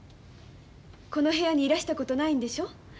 この部屋にいらしたことないんでしょ。